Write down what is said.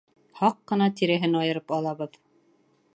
Һаҡ ҡына тиреһен айырып алабыҙ.